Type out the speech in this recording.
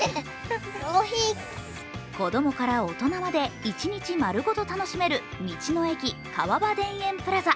子供から大人まで一日丸ごと楽しめる道の駅川場田園プラザ。